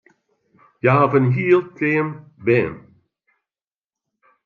Hja hawwe in hiel team bern.